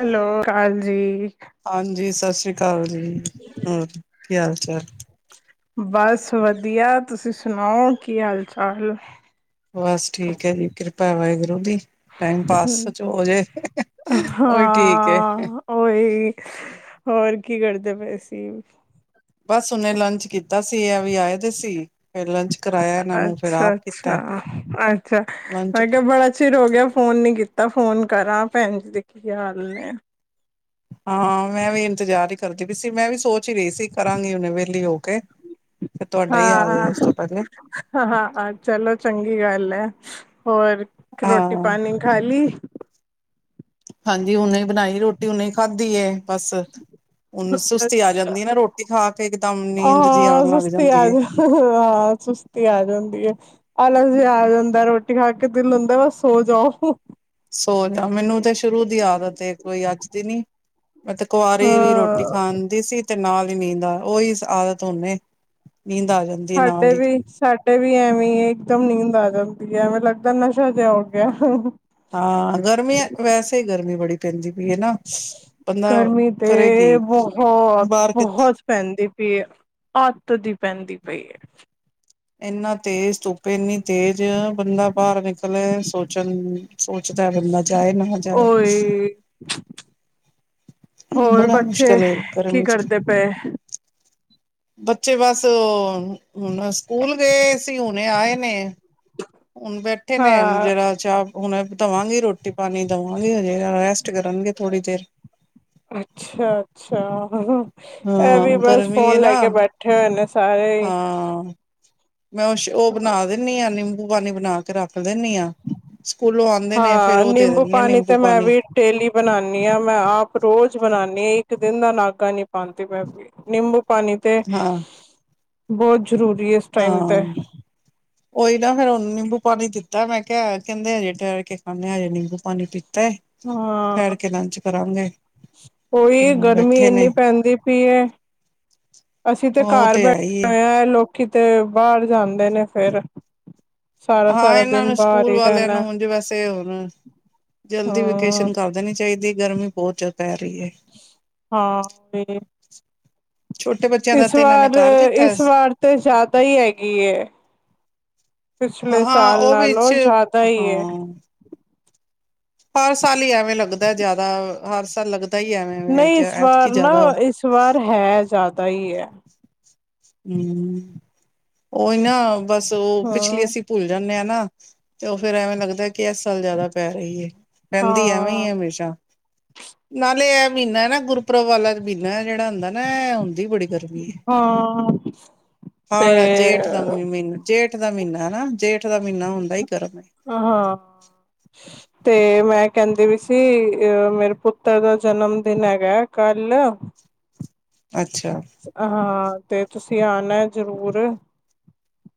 Hello, ਹਾਂਜੀ। ਹਾਂਜੀ, ਸਤਿ ਸ਼੍ਰੀ ਅਕਾਲ ਜੀ। ਕੀ ਹਾਲ -ਚਾਲ। ਬਸ ਵਧੀਆ, ਤੁਸੀਂ ਸੁਣਾਓ, ਕੀ ਹਾਲ- ਚਾਲ। ਬਸ ਠੀਕ ਹੈ ਜੀ, ਕਿਰਪਾ ਹੈ ਵਾਹਿਗੁਰੂ ਦੀ। ਟਾਈਮ ਪਾਸ ਹਮ। ਚ ਹੋ ਜੇ ਉਹੀ ਠੀਕ ਏ ਹਾਂ, ਓਹੀ ਹੋਰ ਕੀ ਕਰਦੇ ਪਏ ਸੀ। ਬਸ ਹੁਨੇ ਲੰਚ ਕੀਤਾ ਸੀ। ਇਹ ਵੀ ਆਏ ਦੇ ਸੀ। ਫਿਰ ਲੰਚ ਕਰਾਇਆ ਇਹਨਾਂ ਨੂੰ ਫਿਰ ਅੱਛਾ- ਆਪ ਅੱਛਾ, ਕੀਤਾ ਅੱਛਾ ਲੰਚ ਮੈਂ ਕਿਹਾ- ਬੜਾ ਚਿਰ ਹੋ ਗਿਆ। ਫੋਨ ਨੀ ਕੀਤਾ, ਫੋਨ ਕਰਾਂ, ਭੈਣ ਜੀ ਦੇ ਕੀ ਹਾਲ ਨੇ ਆ। ਹਾਂ, ਮੈਂ ਵੀ ਇੰਤਜ਼ਾਰ ਈ। ਕਰਦੀ ਪੈਈ ਸੀ। ਮੈਂ ਵੀ ਸੋਚ ਹੀ ਰਹੀ ਸੀ, ਕਰਾਂਗੀ ਹੁਨੇ ਵਿਹਲੀ ਹੋ ਕੇ ਫਿਰ ਤੁਹਾਡਾ ਹੀ ਆ ਗਿਆ ਹਾਂ, ਉਸ ਤੋਂ ਪਹਿਲੇ ਹਾਂ ਚਲੋ ਚੰਗੀ ਗੱਲ ਹੈ। ਅੱਛਾ। ਹੋਰ ਰੋਟੀ ਹਾਂ -ਪਾਣੀ ਖਾ ਲੀ। ਹਾਂਜੀ, ਹੁਨੇ ਬਣਾਈ ਰੋਟੀ ਹੁਨੇ ਖਾਧੀ ਏ, ਬਸ, ਹਨ ਸੁਸਤੀ ਆ ਅੱਛਾ ਜਾਂਦੀ ਹੈ। ਨਾ ਰੋਟੀ ਖਾ ਕੇ ਇੱਕਦਮ ਨੀਂਦ ਜ ਹਾਂ ਆਉਣ ਲੱਗ ਸੁਸਤੀ ਆ ਜਾਂਦੀ। ਜਾ ਹਾਂ ਸੁਸਤੀ ਆ ਜਾਂਦੀ ਆਲਸ ਜਿਹਾ ਆ ਜਾਂਦਾ, ਰੋਟੀ ਖਾ ਕੇ ਦਿਲ ਹੁੰਦਾ ਬਸ ਸੋ ਜਾਓ। ਸੋ ਜਾ ਮੈਨੂੰ ਸ਼ੁਰੂ ਦੀ ਆਦਤ ਏ ਕੋਈ ਅੱਜ ਤੇ ਨੀ ਮੈਂ ਤੇ ਕੁਆਰੀ ਵੀ ਰੋਟੀ ਹਾਂ। ਖਾਣਦੀ ਸੀ। ਤੇ ਨਾਲ ਹੀ ਨੀਂਦ, ਉ ਓਹੀ ਆਦਤ ਹੁਣ ਏ। ਸਾਡੇ ਵੀ ਸਾਡੇ ਵੀ ਐਵੇਂ ਹੈ ਇਕ ਦਮ ਨੀਦ ਆ ਜਾਂਦੀ। ਐਵੇਂ ਲੱਗਦਾ ਨਸ਼ਾ ਜਿਹਾ ਹੋ ਗਿਆ। ਹਾਂ, ਗਰਮੀੀਆਂ ਵੈਸੇ ਗਰਮੀ ਬੜੀ ਪੈਂਦੀ ਪਈ ਹੈ ਨਾ ਬੰਦਾ ਗਰਮੀ ਕਰੇ ਕੀ ਤੇ ਬਹੁਤ ਬਾਹਰ ਕਿਥ -ਬਹੁਤ ਪੈਂਦੀ ਵੀ ਅੱਤ ਦੀ ਪੈਂਦੀ ਪਈ ਏ ਇੰਨਾ ਤੇਜ਼ ਧੁੱਪ ਇੰਨੀ ਤੇਜ਼, ਬੰਦਾ ਬਾਹਰ ਨਿਕਲੇ ਸੋਚਣ ਸੋਚਦਾ ਬੰਦਾ ਜਾਏ, ਨਾ ਜਾਏ ਓਏ ਹੋਰ ਬੜਾ ਬੱਚੇ, ਮੁਸ਼ਕਿਲ ਏ ਕੀ ਗਰਮੀ ਚ ਕਰਦੇ ਪਏ ਬੱਚੇ ਬਸ ਹੁਣ ਸਕੂਲ ਗਏ ਸੀ ਹੁਣੇ ਆਏ ਨੇ ਹੁਣ ਬੈਠੇ ਨੇ ਹਾਂ ਜਿਹੜਾ ਚਾਹ ਹੁਣਧਵਾਂਗੀ ਰੋਟੀ ਪਾਣੀ ਦੇਵਾਂਗੇ ਹਜੇ ਰੈਸਟ ਕਰਨਗੇ ਥੋੜ੍ਹੀ ਦੇਰ ਅੱਛਾ ਅੱਛਾ ਇਹ ਵੀ ਹਾਂ ਬਸ ਗਰਮੀ ਹੈ ਫੋਨ ਨਾ ਲੈ ਕੇ ਬੈਠੇ ਹੋਏ ਨੇ ਸਾਰੇ ਹੀ ਹਾਂ ਮੈਂ ਉਹ ਉਹ ਬਣਾ ਦਿੰਦੀ ਆ ਨ ਭਗਵੀ ਬਣਾ ਕੇ ਰੱਖ ਦਿੰਦੀ ਹਾਂ ਸਕੂਲੋਂ ਆਉਂਦੇ ਨੇ ਫੇਰ ਹਾਂ ਉਹ ਦੇ ਨਿੰਬੂ ਦਿੰਦੀ ਆ ਪਾਣੀ ਨਿੰਬੂ ਤੇ ਮੈਂ ਪਾਣੀ ਵੀ ਡੇਲੀ ਬਣਾਉਾਨਣੀ ਹਾਂ ਮੈਂ ਆਪ ਰੋਜ਼ ਬਣਾਣੀ ਇੱਕ ਦਿਨ ਦਾ ਨਾਗਾ ਨੀ ਪਾਉਂਦੀ ਮੈਂ ਵੀ ਨਿੰਬੂ ਪਾਣੀ ਤੇ ਹਾਂ ਬਹੁਤ ਜ਼ਰੂਰੀ ਹੈ ਇਸ ਟਾਈਮ ਹਾਂ ਤੇ ਉਹੀ ਨਾ ਫੇਿਰ ਉਹਨੂੰ ਨਿੰਬੂ ਪਾਣੀ ਦਿੱਤਾ ਮੈਂ ਕਿਹਾ ਕਹਿੰਦੇ ਹਜੇ ਟਰ ਕੇ ਖਾਂਦੇ ਹ ਹਜੇ ਨਿੰਬੂ ਪਾਣੀ ਪੀਤਾ ਠਹਿਰ ਹਾਂ ਕੇ ਲੰਚ ਕਰਾਂਗੇ ਉਈ ਗਰਮੀ ਬੈਠੇ ਇੰਨੀ ਨੇ ਪੈਂਦੀ ਪਈ ਅਸੀਂ ਤੇ ਉਹ ਘਰ ਹੈ ਹੀ ਬੈਠ ਹੈ ਆ ਲੋਕ ਕਿਤੇ ਬਾਹਰ ਜਾਂਦੇ ਨੇ ਫਿਰ ਹਾਂ ਇਹਨਾਂ ਨੂੰ ਸਕੂਲ ਵਾਲਿਆਂ ਨੂੰ ਹਣ ਜ ਵੈਸੇ ਹੁਣ ਜਲਦੀ ਵੇਕੇਸ਼ਨ ਹੂੰ ਕਰ ਦੇਣੀ ਚਾਹੀਦੀ ਗਰਮੀ ਬਹੁਤ ਪੈ ਰਹੀ ਹੈ। ਹਾਂ ਛੋਟੇ ਬੱਚਿਆਂ ਦਾ ਇਸ ਤੇ ਇਹਨਾਂ ਨੇ ਵਾਰ ਕਰ ਦਿੱਤਾ ਇਸ ਵਾਰ ਤੇ ਜ਼ਿਆਦਾ ਹੀ ਹੈਗੀ ਪਿਛਲੇ ਹਾਂ ਸਾਲ ਉਹ ਵਿੱਚ ਨਾਲੋਂ ਜ਼ਿਆਦਾ ਹੀ ਹਾਂ ਹਰ ਸਾਲ ਹੀ ਐਵੇਂ ਲੱਗਦਾ ਜ਼ਿਆਦਾ ਹਰ ਸਾਲ ਲੱਗਦਾ ਹੀ ਨਹੀਂ ਐਵੇਂ ਇਸ ਐਤਕੀ ਵਾਰ ਨਾ ਜ਼ਿਆਦਾ ਹੂੰ ਇਸ ਵਾਰ ਹੈ ਜ਼ਿਆਦਾ ਤਾਹੀ ਹੈ ਹਮ ਉਹਹੀ ਨਾ ਬਸ ਉਹ ਹਾਂ ਪਿਛਲੀ ਅਸੀਂ ਭੁੱਲ ਜਾਂਦੇ ਹਾਂ ਨਾ ਤੇ ਉਹ ਫੇਰ ਐਵੇਂ ਲੱਗਦਾ ਕਿ ਇਸ ਸਾਲ ਜ਼ਿਆਦਾ ਪੈ ਰਹੀ ਹੈ ਰਹਿੰਦੀ ਐਵੇਂ ਹਾਂ ਹੀ ਆ ਹਮੇਸ਼ਾ ਨਾਲੇ ਇਹ ਮਹੀਨਾ ਨਾ ਗੁਰਪੁਰਬ ਵਾਲਾ ਮਹੀਨਾ ਜਿਹੜਾ ਹੁੰਦਾ ਨਾ ਹੁੰਦੀ ਬੜੀ ਹਾਂ ਤੇ ਹਾਲ ਜੇਠ ਦਾ ਮ ਮੀਨ ਜੇਠ ਜੇਠ ਦਾ ਮਹੀਨਾ ਹਨਾ ਜੇਠ ਦਾ ਮਹੀਨਾ ਹੁੰਦਾ ਗਰਮ ਹੈ। ਆਹ ਹਾਂ ਤੇ ਮੈਂ ਕਹਿੰਦੀ ਸੀ ਮੇਰੇ ਪੁੱਤਰ ਦਾ ਜਨਮ ਦਿਨ ਹੈਗਾ ਕੱਲ ਅੱਛਾ, [unintelligible] ਤੇ ਤੁਸੀਂ ਆਣਾ ਜਰੂਰ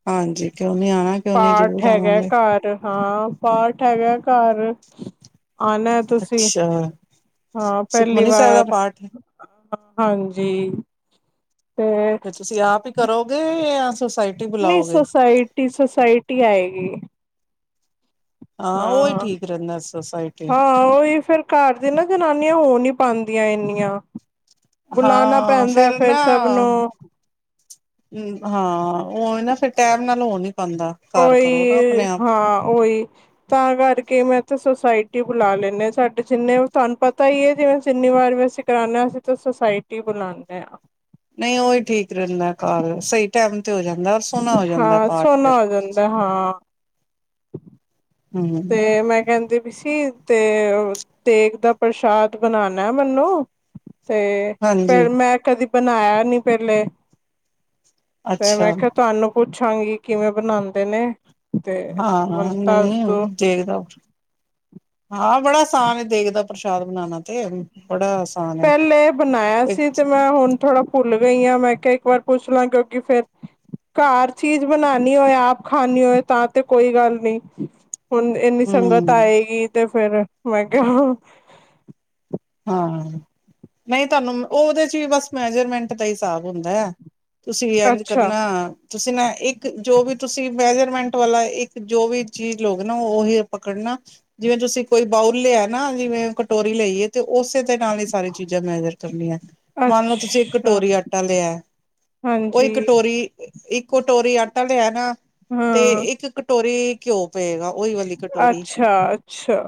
ਹਾਂਜੀ ਕਿਉਂ ਨੀ ਆਣਾ ਕਿਉਂ ਨੀ ਪਾਠ ਜ਼ਰੂਰ ਹੈਗਾ ਆਵਾਂਗੇ। ਘਰ ਹਾਂ ਪਾਠ ਹੈਗਾ ਘਰ [inaudible] ਆਨਾ ਤੁਸੀਂ ਅੱਛਾ, ਹਾਂ ਪਹਿਲੀ ਸੁਖਮਨੀ ਸਾਹਿਬ ਦਾ ਵਾਰ ਪਾਠ ਹਾਂਜੀ ਤੇ ਤੁਸੀਂ ਆਪ ਹੀ ਕਰੋਗੇ ਯਾ ਪਲੀਜ ਸੋਸਾਇਟੀ ਸੋਸਾਇਟੀ ਆਏਗੀ ਹਾਂ ਉਹੀ ਹਾ ਠੀਕ ਰਹਿੰਦਾ ਸੁਸਾਇਟੀ। ਹਾ ਉਹੀ ਫਿਰ ਘਰ ਦੀ ਨਾ ਜਨਾਨੀ ਆ ਉਹ ਨਹੀਂ ਆਉਂਦੀਆਂ ਇਨੀਆਂ ਕੋਲਾਨਾ ਹਾਂ ਪੈਂਦਾ ਫਿਰ ਨਾ ਸਭ ਨੂੰ ਹਾਂ ਉਹ ਨਾ ਫਿਰ ਟੈਮ ਨਾਲ ਹੋ ਨੀ ਪਾਂਦਾ ਘਰ ਕਰੋ ਨਾ ਓਏ ਆਪਣੇ ਆਪ। ਹਾਂ ਓਏ ਤਾਂ ਕਰਕੇ ਮੈਂ ਤਾਂ ਆਈਟੀ ਬੁਲਾ ਲੈਨੇ ਸਾਡੇ ਜਿੰਨੇ ਤੁਹਾਨੂੰ ਪਤਾ ਹੀ ਹ ਜਿਵੇਂ ਜਿੰਨੀ ਵਾਰ ਮੈਂ ਸ਼ੁਕਰਾਨਾ ਅਸੀਂ ਤਾਂ ਸੋਸਾਇਟੀ ਬੁਲਾਉਂਦੇ ਆ ਨਹੀਂ ਉਹ ਹੀ ਠੀਕ ਰਹਿੰਦਾ ਘਰ ਸਹੀ ਟਾਈਮ ਤੇ ਹੋ ਜਾਂਦਾ ਔਰ ਸੋਹਣਾ ਹੋ ਜਾਂਦਾ ਹਾਂ ਪਾਠ ਸੋਨਾ ਫਿਰ। ਹੋ ਜਾਂਦਾ ਹਾਂ ਹੂੰ, ਤੇ ਮੈਂ ਕਹਿੰਦੀ ਵੀ ਸੀ ਤੇ ਤੇਗ ਦਾ ਪ੍ਰਸ਼ਾਦ ਬਣਾਣਾ ਮੈਨੂੰ ਤੇ ਹਾਂਜੀ ਮੈਂ ਕਦੀ ਬਣਾਇਆ ਨੀ ਪਹਿਲੇ ਤੇ ਮੈਂ ਅੱਛਾ ਕਿਹਾ ਤੁਹਾਨੂੰ ਪੁੱਛਾਂਗੇ ਕਿਵੇਂ ਬਣਾਉਂਦੇ ਨੇ ਤੇ ਹਾਂ ਮੈਨੂੰ ਹਾਂ ਦੱਸ ਨਹੀਂ ਹੋ ਦੋ ਦੇਖਦਾ ਹਾਂ ਬੜਾ ਸਾਨ ਦੇਖਦਾ ਪ੍ਰਸ਼ਾਦ ਬਨਾਣਾ ਤੇ ਬੜਾ ਆਸਾਨ ਹੈ ਪਹਿਲੇ ਬਣਾਇਆ ਸੀ ਤੇ ਮੈਂ ਹੁਣ ਥੋੜਾ ਭੁੱਲ ਗਈ ਆਂ ਮੈਂ ਕਿ ਪਰ ਕੁਛ ਲੰਘ ਗਈ ਫੇਰ ਘਰ ਚੀਜ਼ ਬਣਾਉਣੀ ਹੋਏ ਆਪ ਖਾਨੀ ਹੋਏ ਤਾਂ ਤੇ ਕੋਈ ਗੱਲ ਨਈ ਹੁਣ ਇਨੀ ਹਮ ਸੰਗਤ ਆਏਗੀ ਤੇ ਫਿਰ ਮੈਂ ਕਿਹਾ ਨਈ ਤੁਹਾਨੂੰ ਉਹਦੇ ਚ ਵੀ ਬਸ ਮੇਜਰਮੈਂਟ ਦਾ ਈ ਹਿਸਾਬ ਹੁੰਦਾ ਐ। ਤੁਸੀਂ ਵੀ ਇੰਝ ਅੱਛਾ ਕਰਨਾ ਤੁਸੀਂ ਨਾ ਇੱਕ ਜੋ ਵੀ ਤੁਸੀਂ ਮੈਜਰਮੈਂਟ ਵਾਲਾ ਇੱਕ ਜੋ ਵੀ ਚੀਜ਼ ਲੋਗੇ ਨਾ ਉਹੀ ਪਕੜਨਾ ਜਿਵੇਂ ਤੁਸੀਂ ਕੋਈ ਬਾਊਲ ਲਿਆ ਨਾ ਜਿਵੇਂ ਕਟੋਰੀ ਲਈਏ ਤੇ ਉਸੇ ਦੇ ਨਾਲ ਹੀ ਸਾਰੀ ਚੀਜ਼ਾਂ ਮੇਜਰ ਕਰਨੀਆਂ ਮੰਨ ਲਓ ਤੁਸੀਂ ਅੱਛਾ ਕਟੋਰੀ ਆਟਾ ਲਿਆ ਉਈ ਹਾਂਜੀ ਕਟੋਰੀ ਇੱਕ ਕੋਟੋਰੀ ਆਟਾ ਲਿਆ ਨਾ ਤੇ ਹਾਂ ਇੱਕ ਕਟੋਰੀ ਘਿਓ ਪਏਗਾ ਉਹੀ ਵਾਲੀ ਕਟੋਰੀ ਅੱਛਾ, ਅੱਛਾ।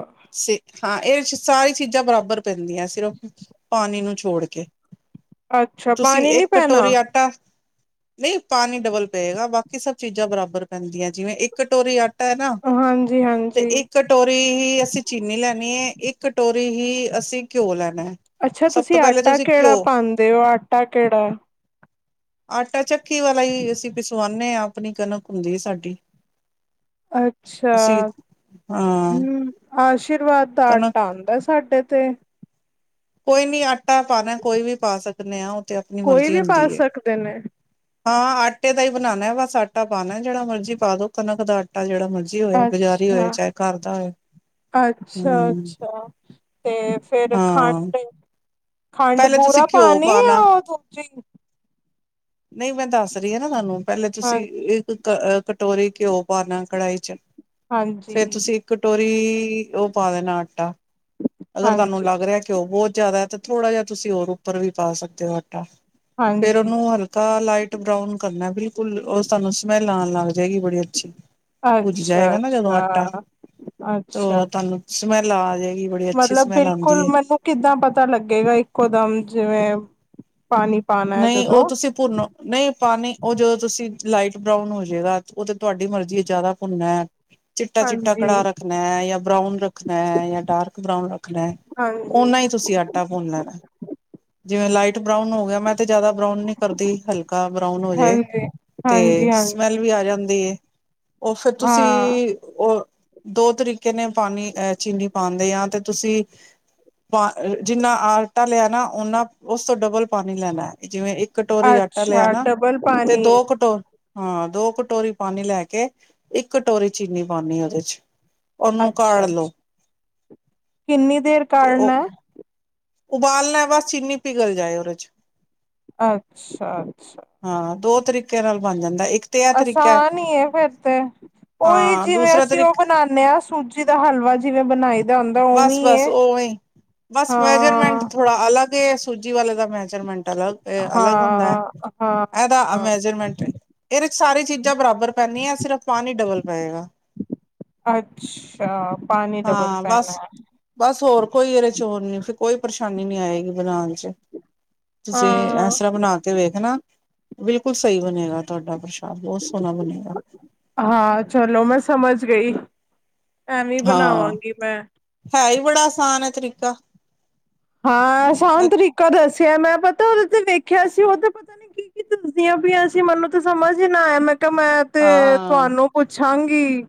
ਹਾਂ ਇਦੇ ਚ ਸਾਰੀ ਚੀਜ਼ਾਂ ਬਰਾਬਰ ਪੈਂਦੀਆਂ ਸਿਰਫ ਪਾਣੀ ਨੂੰ ਛੋੜ ਕੇ ਅੱਛਾ ਪਾਣੀ ਨੀ ਪੈਣਾ ਨਈ ਪਾਣੀ ਡਬਲ ਪਏਗਾ ਬਾਕੀ ਸਭ ਚੀਜ਼ਾਂ ਬਰਾਬਰ ਪੈਂਦੀਆਂ ਜਿਵੇਂ ਇੱਕ ਕਟੋਰੀ ਆ ਨਾ ਹਾਂਜੀ ਤੇ ਹਾਂਜੀ ਇਕ ਕਟੋਰੀ ਹੀ ਅਸੀਂ ਚੀਨੀ ਲੈਣੀ ਐ। ਇੱਕ ਕਟੋਰੀ ਹੀ ਅਸੀਂ ਘਿਓ ਲੈ ਅੱਛਾ ਤੁਸੀਂ ਆਟਾ ਕਿਹੜਾ ਪਾਉਂਦੇ ਓ ਆਟਾ ਕਿਹੜਾ ਆਟਾ ਚੱਕੀ ਵਾਲਾ ਈ ਅਸੀਂ ਪਿਸਵਾਨੇ ਆ ਆਪਣੀ ਕਣਕ ਹੁੰਦੀ ਐ ਸਾਡੀ ਅੱਛਾ, ਅਸੀਂ ਹਾਂ ਹੂੰ ਅਸ਼ ਆਸ਼ੀਰਵਾਦ ਦਾ ਕਣਕ ਆਟਾ ਆਂਦਾ ਸਾਡੇ ਤੇ ਕੋਈ ਨੀ ਅੱ ਟਾ ਪਾਣਾ ਕੋਈ ਵੀ ਪਾ ਸਕ ਨ ਕੋਈ ਵੀ ਪਾ ਸਕਦੇ ਨੇ ਹਾਂ ਆ ਆਟੇ ਦਾ ਈ ਬਨਾਣਾ ਬਸ ਅ ਆਟਾ ਪਾਣਾ ਜਿਹੜਾ ਮਰਜ਼ੀ ਪਾ ਦੋ ਕਣਕ ਦਾ ਆਟਾ ਜਿਹੜਾ ਮਰਜੀ ਹੋਏ ਬਜ਼ਾਰੀ ਅੱਛਾ, ਹੋਏ ਚਾਹੇ ਘਰ ਦਾ ਹੋਏ ਅੱਛਾ, ਹਮ ਅੱਛਾ ਤੇ ਫਿਰ ਹਾਂ ਖੰਡ ਖੰਡ ਪਹਿਲੇ ਤੁਸੀਂ ਬੂਰਾ ਘਿਓ ਪਾਣੇ ਆ ਪਾਉਣਾ ਉਹ ਦੂਜੀ ਨਹੀਂ ਮੈਂ ਦੱਸ ਰਹੀ ਨਾ ਤੁਹਾਨੂੰ ਪਹਿਲਾਂ ਹਾਂ ਤੁਸੀਂ ਇੱਕ ਟੋਰੀ ਘਿਓ ਪਾਨਾ ਕੜਾਹੀ ਚ ਹਾਂਜੀ ਫੇਰ ਤੁਸੀਂ ਕਟੋਰੀ ਵੀ ਉਹ ਪਾ ਦੇਣਾ ਆਟਾ ਅਗਰ ਤੁਹਾਨੂੰ ਹਾਂਜੀ ਲੱਗ ਰਿਹਾ ਕਿ ਘਿਓ ਬਹੁਤ ਜ਼ਿਆਦਾ ਤਾਂ ਥੋੜ੍ਹਾ ਜਿਹਾ ਤੁਸੀਂ ਹੋਰ ਉੱਪਰ ਵੀ ਪਾ ਸਕਦੇ ਹੋ ਆਟਾ ਫੇਰ ਹਾਂਜੀ ਉਹਨੂੰ ਹਲਕਾ ਲਾਈਟ ਬਰਾਉਨ ਕਰਨਾ ਬਿਲਕੁਲ ਉਹ ਸਾਨੂੰ ਸਮੈਲ ਆਣ ਲੱਗ ਜਾਏਗੀ ਬੜੀ ਅੱਛੀ। ਭੁੱਜ ਅੱਛਾ ਜਾਏਗਾ ਨਾ ਜਦੋਂ ਅੱਛਾ ਆਟਾ ਅੱਛਾ ਘਮੈਲ ਆ ਜਾਏਗੀ ਬੜੀ ਅੱਛੀ ਮਤਲਬ ਸਮੈਲ ਆਂਦੀ ਬਿਲਕੁਲ ਏ। ਮੈਨੂੰ ਕਿੱਦਾਂ ਪਤਾ ਲੱਗੇਗਾ ਇੱਕੋ ਦਮ ਜਿਵੇਂ ਪਾਣੀ ਪਾਉਣਾ ਹੈ ਨਹੀਂ ਉਹ ਜਦੋਂ ਤੁਸੀਂ ਭੁੰਨੋ ਨਹੀਂ ਪਾਣੀ ਉਹ ਜਦੋਂ ਤੁਸੀਂ ਲਾਈਟ ਬਰਾਊਨ ਹੋ ਜਾਏਗਾ ਉਹ ਤਾਂ ਤੁਹਾਡੀ ਮਰਜ਼ੀ ਜ਼ਿਆਦਾ ਭੁੰਨਾ ਹੈ। ਚਿੱਟਾ ਚਿੱਟਾ ਹਾਂਜੀ ਕੜਾ ਰੱਖਣਾ ਹੈ ਜਾਂ ਬਰਾਊਨ ਰੱਖਣਾ ਜਾਂ ਡਾਰਕ ਬਰਾਊਨ ਰੱਖਣਾ ਹੈ ਹਾਂਜੀ ਓਨਾ ਹੀ ਤੁਸੀਂ ਆਟਾ ਭੁੰਨ ਲੈਣਾ ਜਿਵੇਂ ਲਾਈਟ ਬਰਾਊਨ ਹੋ ਗਿਆ ਮੈਂ ਜਿਆਦਾ ਬਰਾਉਨ ਨੀ ਕਰਦੀ ਹਲਕਾ ਬਰਾਉਨ ਹੋ ਜੇ ਹਾਂਜੀ ਤੇ ਹਾਂਜੀ ਹਾਂਜੀ ਸਮੈਲ ਵੀ ਆ ਜਾਂਦੀ ਏ। [unintelligible] ਉਹ ਤੁਸੀਂ ਹਾਂ ਉਹ ਦੋ ਤਰੀਕੇ ਨੇ ਪਾਣੀ ਅਹ ਚੀਨੀ ਪਾਂਦੇ ਹਾਂ ਤੇ ਤੁਸੀਂ ਜਿੰਨਾ ਆਟਾ ਲਿਆ ਨਾ ਓਨਾ ਉਸ ਤੋਂ ਡਬਲ ਪਾਣੀ ਲੈਣਾ ਹੈ। ਜਿਵੇਂ ਇਕ ਕਟੋਰੀ ਆਟਾ ਲਿਆ ਅੱਛਾ ਨਾ ਡਬਲ ਤੇ ਪਾਣੀ ਦੋ ਕਟੋਰੀ ਹਾਂ ਦੋ ਕਟੋਰੀ ਪਾਣੀ ਲੈ ਕੇ ਇੱਕ ਕਟੋਰੀ ਚੀਨੀ ਪਾਣੀ ਉਹਦੇ ਚ। ਉਹਨੂੰ ਅੱਛਾ ਕਾੜ ਲੋ ਅੱਛਾ ਕਿੰਨੀ ਦੇਰ ਤੇ ਉਹ ਕਾਡਨਾ ਐ। ਉਬਾਲਣਾ ਹੈ ਬਸ ਚੀਨੀ ਪਿਘਲ ਜਾਏ ਉਹਦੇ 'ਚ ਅੱਛਾ ਅੱਛਾ ਹਾਂ ਦੋ ਤਰੀਕੇ ਨਾਲ ਬਣ ਜਾਂਦਾ ਇੱਕ ਤੇ ਇਹ ਤਰੀਕਾ ਆਸਾਨ ਹੀ ਫਿਰ ਤੇ ਉਹੀ ਹਾਂ ਜਿਵੇਂ ਦੂਸਰਾ ਅਸੀਂ ਉਹ ਤਰੀਕਾ ਬਣਾਦੇ ਹਾਂ ਸੂਜੀ ਦਾ ਹਲਵਾ ਜਿਵੇਂ ਬਣਾਈ ਦਾ ਹੁੰਦਾ ਬਸ ਉਵੇਂ ਬਸ ਐ। ਉਵੇਂ ਹੀ ਬਸ ਮੇਜਰਮੈਂਟ ਹਾਂ ਥੋੜਾ ਅਲੱਗ ਸੂਜੀ ਵਾਲੇ ਦਾ ਮੈਜਰਮੈਂਟ ਵਾਲਾ ਇਹ ਅਲੱਗ ਹੁੰਦਾ ਹੈ ਹਾਂ ਹਾਂ ਇਹਦਾ ਹਾਂ ਮੈਜਰਮੈਂਟ ਇਹਦੇ ਚ ਸਾਰੀ ਚੀਜ਼ਾਂ ਬਰਾਬਰ ਪੈਂਦੀ ਹੈ ਸਿਰਫ ਪਾਣੀ ਡਬਲ ਪਏਗਾ। ਅੱਛਾ ਪਾਣੀ ਡਬਲ ਹਾਂ ਪੈਣਾ ਬਸ ਬਸ ਹੋਰ ਕੋਈ ਇਹਦੇ ਚੋ ਨੀ ਕੋਈ ਪਰੇਸ਼ਾਨੀ ਨੀ ਆਏਗੀ ਬਣਾਣ ਚ ਤੁਸੀਂ ਹਾਂ ਇਸ ਤਰ੍ਹਾਂ ਬਣਾ ਕੇ ਵੇਖਣਾ ਬਿਲਕੁਲ ਸਹੀ ਬਣੇਗਾ ਤੁਹਾਡਾ ਪ੍ਰਸ਼ਾਦ ਬਹੁਤ ਸੋਹਣਾ ਬਣੇਗਾ ਹਾਂ ਚਲੋ ਮੈਂ ਸਮਝ ਗਈ ਐਵੇਂ ਹਾਂ ਬਣਾਵਾਂਗੀ ਮੈਂ ਹੈ ਹੀ ਬੜਾ ਆਸਾਨ ਹੈ ਤਰੀਕਾ ਕਾਹ ਹਾਂ ਸਵਤਰੀ ਕ ਦੱਸ ਮੈਂ ਪਤਾ ਉਹਦੇ ਤੇ ਵੇਖਿਆ ਸੀ ਉਹ ਤੇ ਪਤਾ ਨੀ ਕੀ ਕੀ ਦੱਸਦੀਆਂ ਪ ਅਸੀਂ ਮੈਨੂੰ ਤਾਂ ਸਮਝ ਹੀ ਨਾ ਆਇਆ ਮੈਂ ਮੈਂ ਤੇ ਹਾਂ ਤੁਹਾਨੂੰ ਪੁੱਛ ਠਾਂਗੀ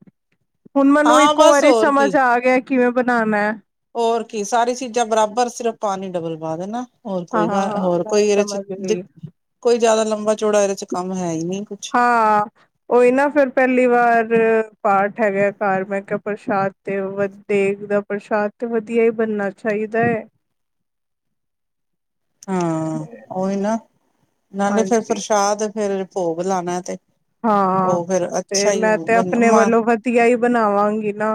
ਹੁਣ ਮੈਨੂੰ ਹਾਂ ਇੱਕੋ ਬਸ ਵਾਰੀ ਹੋਰ ਸਮਝ ਕੀ ਆ ਗਿਆ ਕਿਵੇਂ ਬਣਾਉਣਾ ਹੈ ਹੋਰ ਕੀ ਸਾਰੀ ਚੀਜ਼ਾਂ ਬਰਾਬਰ ਸਿਰਫ ਪਾਣੀ ਡਬਲ ਪਾ ਦੇਣਾ ਹੋਰ ਹਾਂ ਕੋਈ ਗ ਹਾਂ ਹਾਂ ਹੋਰ ਮੈਂ ਕੋਈ ਇਹਦੇ ਚ ਸਮਝ ਗਈ ਕੋਈ ਜ਼ਿਆਦਾ ਲੰਬਾ ਚੌੜਾ ਇਹਦੇ ਚ ਕੰਮ ਹੈ ਹੀ ਨਹੀਂ ਕੁਛ ਹਾਂ ਉਹੀ ਨਾ ਫੇਿਰ ਪਹਿਲੀ ਵਾਰ ਪਾਠ ਬੈਠਾ ਗਿਆ ਘਰ ਮੈਂ ਕਿਹਾ ਪ੍ਰਸ਼ਾਦ ਤੇ ਵ ਦੇਖਦਾ ਪ੍ਰਸ਼ਾਦ ਤੇ ਵਧੀਆ ਹੀ ਬਣਨਾ ਚਾਹੀਦਾ ਹੈ ਹਾਂ ਉਹੀ ਨਾ ਨਾਲੇ ਫਿਰ ਹਾਂਜੀ ਪ੍ਰਸ਼ਾਦ ਫਰ ਭੋਗ ਲਾਣਾ ਤੇ ਹਾਂ ਉਹ ਫੇਰ ਤੇ ਅੱਛਾ ਹੀ ਮੈਂ ਤੇ ਬਣ ਆਪਣੇ ਵੱਲੋਂ ਵਧੀਆ ਹੀ ਬਣਾਵਾਂਗੀ ਨਾ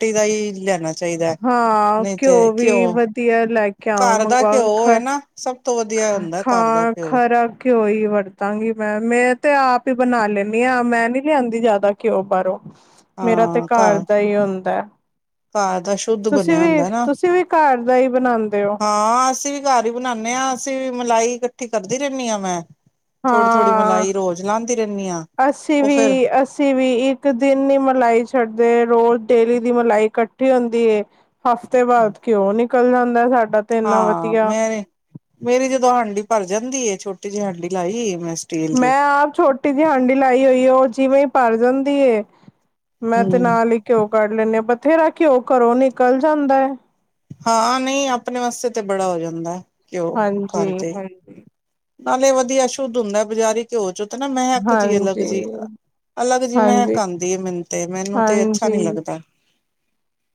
ਟੀ ਦਾ ਹੀ ਲੈਣਾ ਚਾਹੀਦਾ ਹੈ ਹਾਂ ਨਹੀਂ ਤੇ ਘਿਓ ਵੀ ਵਧੀਆ ਲੈ ਕੇ ਆਵਾਂ ਘਰ ਦਾ ਮੰਗਵਾ ਘਿਓ ਖ ਹੈ ਨਾ ਸਭ ਤੋਂ ਵਧੀਆ ਹੁੰਦਾ ਘਰ ਦਾ ਖਾਂ ਘਿਓ ਖਰਾ ਘਿਓ ਹੀ ਵਰਤਾਂਗੀ ਮੈਂ ਮੈਂ ਤੇ ਆਪ ਹੀ ਬਣਾ ਲੈਂਦੀ ਹਾਂ ਮੈਂ ਨੀ ਲਿਆਂਦੀ ਜਿਆਦਾ ਘਿਓ ਬਾਹਰੋਂ ਮੇਰਾ ਤੇ ਹਾਂ ਘਰ ਦਾ ਹੀ ਹੁੰਦਾ ਘ ਤਾਂ ਸ਼ੁੱਧ ਤੁਸੀਂ ਬਣਿਆ ਵੀ ਹੁੰਦਾ ਨਾ ਤੁਸੀਂ ਵੀ ਘਰ ਦਾ ਹੀ ਬਣਾਉਂਦੇ ਹੋ ਹਾਂ ਅਸੀਂ ਵੀ ਘਰ ਹੀ ਬਣਾਉਦੇ ਹਾਂ ਅਸੀਂ ਵੀ ਮਲਾਈ ੀ ਕਰਦੀ ਰਹਿੰਦੀ ਹਾਂ ਮੈਂ ਥੋੜ੍ਹੀ ਥੋੜ੍ਹੀ ਹਾਂ ਮਲਾਈ ਰੋਜ਼ ਲਾਉਂਦੀ ਰਹਿੰਦੀ ਹਾਂ ਅਸੀਂ ਉਹ ਵੀ ਫਿਰ ਅਸੀਂ ਵੀ ਇੱਕ ਦਿਨ ਨ ਮਲਾਈ ਛੱਡਦੇ ਰੋਜ਼ ਤੇਲੀ ਦੀ ਮਲਾਈ ਇਕੱਠੀ ਹੁੰਦੀ ਹਫ਼ਤੇ ਬਾਅਦ ਕਿਉਂ ਨੀ ਨਿਕਲ ਜਾਂ ਹਦਾ ਸਾਡਾ ਤੇ ਇੰਨਾ ਹਾਂ ਵਧੀਆ ਮੈਂ ਮੇਰੀ ਜਦੋਂ ਹਾਂਡੀ ਭਰ ਜਾਂਦੀ ਛੋਟੀ ਜੇ ਹਾਂਡੀ ਲਾਈ ਮੈਂ ਸਟੀਲ ਦੀ ਮੈਂ ਆਪ ਛੋਟੀ ਜਿਹੀ ਹਾਂਡੀ ਲਾਈ ਹੋਈ ਉਹ ਜਿਵੇਂ ਪਰਜਨ ਦੀਏ ਮੈਂ ਤੇ ਹਮ ਨਾਲ ਹੀ ਘਉ ਕਰੱ ਲੈਂਨੇ ਆ ਬਥੇਰਾ ਘਿਓ ਘਰੋਂ ਨਿਕਲ ਜਾਂਦਾ ਹੈ ਹਾਂ ਨਹੀਂ ਆਪਣੇ ਵਾਸਤੇ ਤੇ ਬੜਾ ਹੋ ਜਾਂਦਾ ਘਿਓ ਹਾਂਜੀ ਘਰ ਦੇ ਹਾਂਜੀ ਨਾਲੇ ਵਧੀਆ ਸ਼ੁੱਧ ਹੁੰਦਾ ਬਜ਼ਾਰੀ ਘਿਓ ਚ ਨਾ ਮੈਂ ਕਿਹਾ ਇੱਕ ਜੀ ਅਲੱਗ ਹਾਂਜੀ, ਜਿ ਅਲੱਗ ਜਿ ਮੈਂ ਹਾਂਜੀ। ਕਿਹਾ ਆਉਂਦੀ ਆ ਮੈਨ ਤੇ ਮੈਨੂੰ ਤੇ ਅੱਛਾ ਨੀ ਹਾਂਜੀ, ਲੱਗਦਾ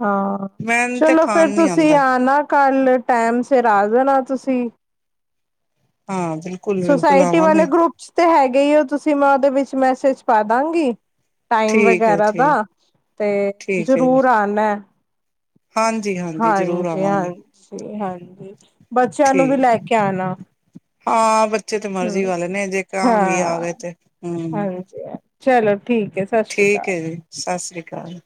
ਹਾਂ ਮੈਨ ਤੇ ਚਲੋ ਖਾਣ ਫੇਰ ਨੀ ਤੁਸੀਂ ਆਂਦਾ ਆ ਨਾ ਕੱਲ ਟੈਮ ਸਿਰ ਆ ਜਾਣਾ ਤੁਸੀਂ ਹਾਂ ਬਿਲਕੁਲ ਬਿਲਕੁਲ ਸੁੋਸਾਇਟੀ ਵਾਲੇ ਆਵਾਂਗੇ। ਗਰੁੱਪ ਚ ਤੇ ਹੈਗੇ ਗਈ ਹੋ ਤੁਸੀਂ ਮੈਂ ਉਹਦੇ ਵਿੱਚ ਮੈਸੇਜ ਪਾ ਦਾਂਗੀ ਟਾਈਮ ਠੀਕ ਹੈ ਵਗੈਰਾ ਦਾ ਠੀਕ ਤੇ ਠੀਕ ਹੈ ਜੀ ਜਰੂਰ ਆਣਾ ਹਾਂਜੀ ਜ਼ਰੂਰ ਹਾਂਜੀ ਆਵਾਂਗੇ। ਹਾਂਜੀ ਹਾਂਜੀ ਬੱਚਿਆਂ ਨੂੰ ਵੀ ਲੈ ਠੀਕ ਹੈ ਕੇ ਆਣਾ ਹਾਂ ਬੱਚੇ ਤੇ ਹੂੰ ਮਰਜ਼ੀ ਵਾਲੇ ਨੇ ਜੇ ਕਾਂਗੀ ਆ ਹਾਂ ਗਏ ਤੇ ਹਮ ਹਾਂਜੀ। ਚਲੋ ਠੀਕ ਹੈ ਸਤਿ ਸ਼੍ਰੀ ਅਕਾਲ। ਠੀਕ ਹੈ ਜੀ ਸਤਿ ਸ੍ਰੀ ਅਕਾਲ ਕ